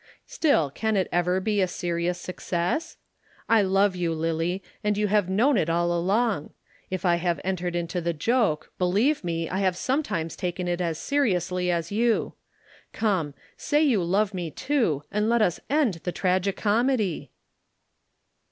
Still can it ever be a serious success? I love you, Lillie, and you have known it all along. If I have entered into the joke, believe me, I have sometimes taken it as seriously as you. Come! Say you love me, too, and let us end the tragi comedy."